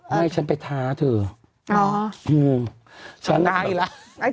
ไม่ฉันไปท้าเธอฮืมท้าอีกแล้ว